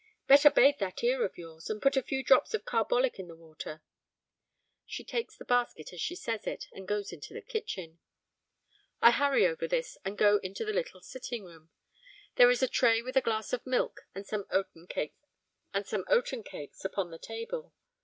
'Better bathe that ear of yours, and put a few drops of carbolic in the water.' She takes the basket as she says it, and goes into the kitchen. I hurry over this, and go into the little sitting room. There is a tray with a glass of milk and some oaten cakes upon the table.